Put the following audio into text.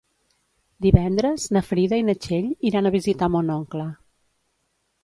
Divendres na Frida i na Txell iran a visitar mon oncle.